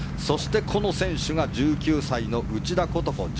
そして、この選手が１９歳の内田ことこ。